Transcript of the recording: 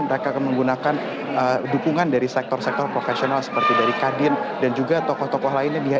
mereka akan menggunakan dukungan dari sektor sektor profesional seperti dari kadin dan juga tokoh tokoh lainnya